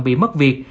bị mất việc